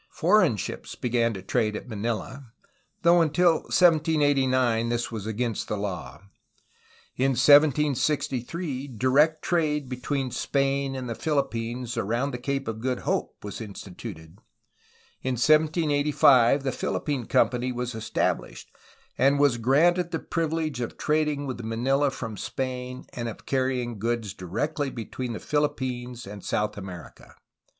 For eign ships began to trade at Manila, though until 1789 this was against the law. In 1763 direct trade between Spain and the Philippines around the Cape of Good Hope was in stituted. In 1785 the Philippine Company was established, and was granted the privilege of trading with Manila from Spain and of carrying goods directly between the Philip pines and South America.